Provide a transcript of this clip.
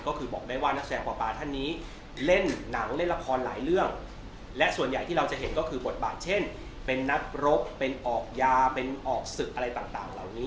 ก็คือบอกได้ว่านักแสดงปลาท่านนี้เล่นหนังเล่นละครหลายเรื่องและส่วนใหญ่ที่เราจะเห็นก็คือบทบาทเช่นเป็นนักรบเป็นออกยาเป็นออกศึกอะไรต่างเหล่านี้